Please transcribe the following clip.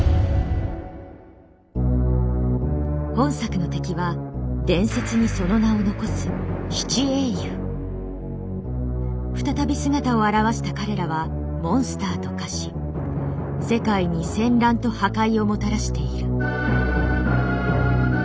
本作の敵は伝説にその名を残す再び姿を現した彼らはモンスターと化し世界に戦乱と破壊をもたらしている。